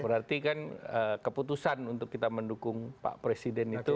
berarti kan keputusan untuk kita mendukung pak presiden itu